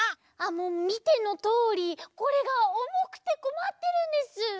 もうみてのとおりこれがおもくてこまってるんです。